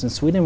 đang xây dựng